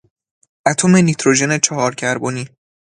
اتم نیتروژن چهار کربنی